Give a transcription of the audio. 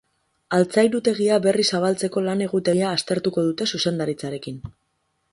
Altzairutegia berriz zabaltzeko lan-egutegia aztertuko dute zuzendaritzarekin.